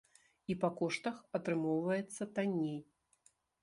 І па коштах атрымоўваецца танней.